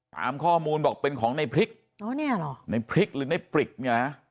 ตามข้อมูลบอกเป็นของในพริกอ๋อเนี่ยเหรอในพริกหรือในปริกเนี่ยนะ